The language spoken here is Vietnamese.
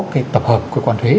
cái tập hợp cơ quan thuế